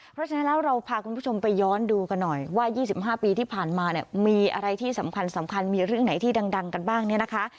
เพราะฉะนั้นแล้วเราพาคุณผู้ชมไปย้อนดูกันหน่อยว่า๒๕ปีที่ผ่านมาเนี่ยมีอะไรที่สำคัญมีเรื่องไหนที่ดังกันบ้างเนี่ยนะคะ